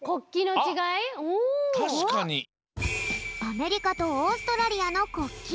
アメリカとオーストラリアの国旗。